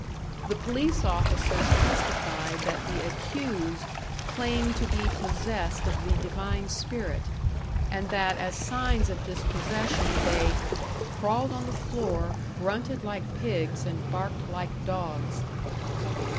The police officers testified that the accused claimed to be possessed of the divine spirit, and that as signs of this possession they "crawled on the floor, grunted like pigs and barked like dogs."